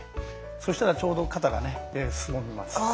そしたらちょうど肩がすぼみます。